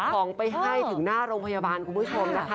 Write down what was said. ของไปให้ถึงหน้าโรงพยาบาลคุณผู้ชมนะคะ